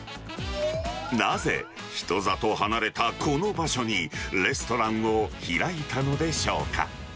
なぜ人里離れたこの場所に、レストランを開いたのでしょうか。